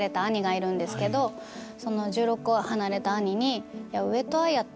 その１６個離れた兄に。